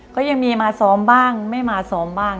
ก็ยังมีมาซ้อมบ้างไม่มาซ้อมบ้าง